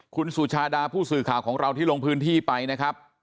คุณสุชาดาผู้สื่อข่าวของเราที่ลงพื้นที่ไปนะครับ